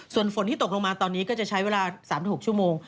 ส่วนฝนที่ตกลงมาตอนนี้ก็จะใช้เวลา๓๖ชั่วโมง